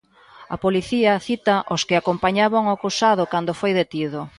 A policía cita os que acompañaban o acusado cando foi detido.